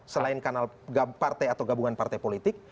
selain kanal partai atau gabungan partai politik